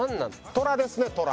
トラですねトラ。